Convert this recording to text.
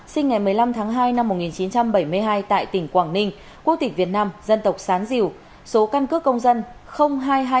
sinh ngày một mươi năm tháng hai năm một nghìn chín trăm bảy mươi hai tại tỉnh quảng ninh quốc tịch việt nam dân tộc sán diều số căn cước công dân hai hai một bảy hai một hai tám